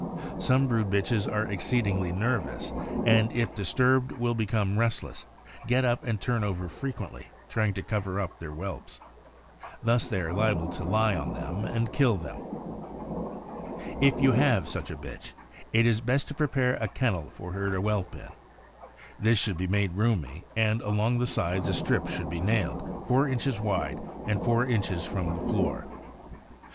Some brood bitches are exceedingly nervous, and if disturbed will become restless, get up and turn over frequently, trying to cover up their whelps. Thus they are liable to lie on them and kill them. If you have such a bitch, it is best to prepare a kennel for her to whelp in. This should be made roomy, and along the sides a strip should be nailed, four inches wide, and four inches from the floor.